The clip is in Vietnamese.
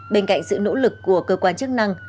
bên cạnh sự nỗ lực của cơ quan chức năng